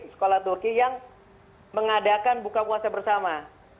sekolah turki yang mengadakan buka puasa bersama